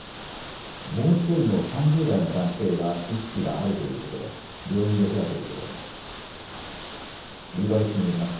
もう１人の３０代の男性は意識はあるということで病院で手当てを受けています。